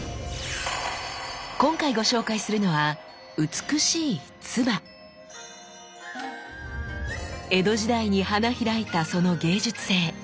今回ご紹介するのは美しい江戸時代に花開いたその芸術性。